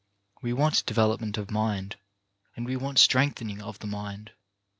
We want development of mind and we want strengthening of the mind.